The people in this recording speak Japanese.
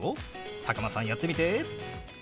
佐久間さんやってみて！